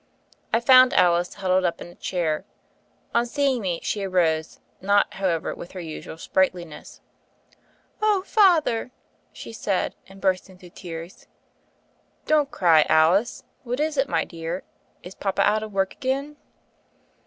I found Alice huddled up in a chair. On seeing me she arose, not, however, with her usual sprightliness. *'Oh, Father!" she said, and burst into tears. *'Don't cry, Alice. What is it, my dear? Is papa out of work again?"